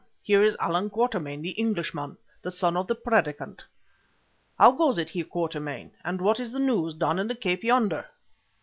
Here is Allan Quatermain, the Englishman, the son of the 'Predicant.' How goes it, Heer Quatermain, and what is the news down in the Cape yonder?"